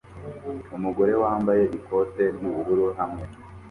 Umugore wambaye ikoti ry'ubururu hamwe